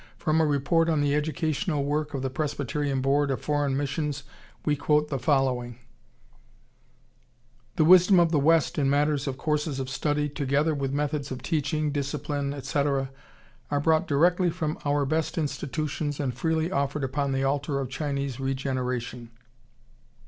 From a report on the Educational Work of the Presbyterian Board of Foreign Missions we quote the following: The wisdom of the West in matters of courses of study, together with methods of teaching, discipline, etc., are brought directly from our best institutions and freely offered upon the altar of Chinese regeneration.